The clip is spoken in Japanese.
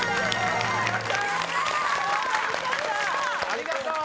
ありがとう！